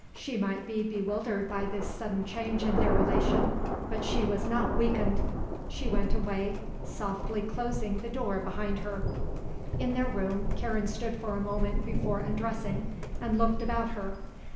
She might be bewildered by this sudden change in their relation, but she was not weakened. She went away, softly closing the door behind her. In their room, Karen stood for a moment before undressing and looked about her.